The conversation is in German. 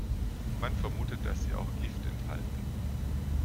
Man vermutet, dass sie auch Gift enthalten.